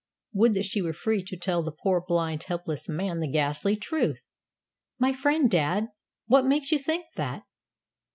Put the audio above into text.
Would that she were free to tell the poor, blind, helpless man the ghastly truth! "My friend, dad! What makes you think that?"